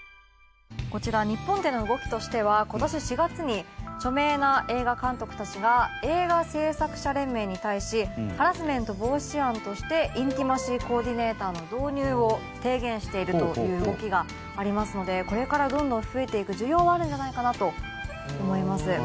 こちら日本での動きとしては今年４月に著名な映画監督たちが映画製作者連盟に対しハラスメント防止案としてインティマシー・コーディネーターの導入を提言しているという動きがありますのでこれからどんどん増えていく需要はあるんじゃないかなと思います。